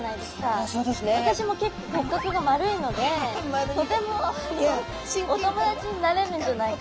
あそうですね。私も結構骨格が丸いのでとてもお友達になれるんじゃないかな。